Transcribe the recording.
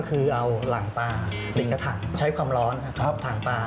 คือเอาหลังปลาติดกระถังใช้ความร้อนชอบถังปลา